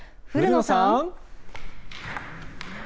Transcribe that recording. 古野さん。